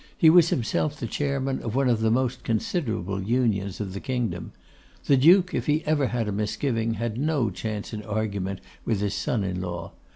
He was himself the Chairman of one of the most considerable Unions of the kingdom. The Duke, if he ever had a misgiving, had no chance in argument with his son in law.